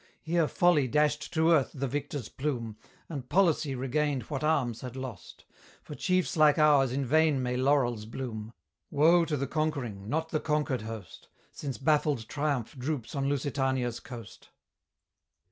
Here Folly dashed to earth the victor's plume, And Policy regained what Arms had lost: For chiefs like ours in vain may laurels bloom! Woe to the conquering, not the conquered host, Since baffled Triumph droops on Lusitania's coast.